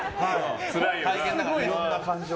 いろんな感情が。